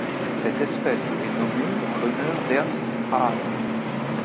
Cette espèce est nommée en l'honneur d'Ernst Ahl.